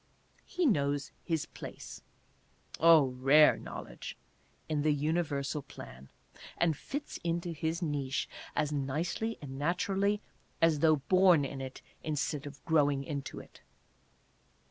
He knows his place (oh, rare knowledge !) in the universal plan, and fits into his niche as nicely and naturally as though born in it instead of growing into it.